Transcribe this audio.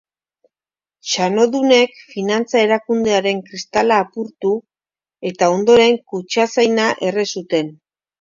Txanodunek finantza erakundearen kristala apurtu eta ondoren kutxazaina erre zuten.